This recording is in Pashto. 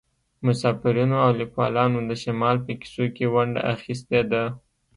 مسافرینو او لیکوالانو د شمال په کیسو کې ونډه اخیستې ده